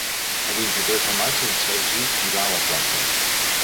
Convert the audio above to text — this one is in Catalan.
El vint-i-tres de maig en Sergi irà a la platja.